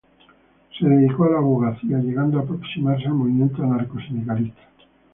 Se dedicó a la abogacía, llegando a aproximarse al movimiento anarcosindicalista.